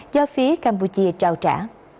do phía campuchia trao trả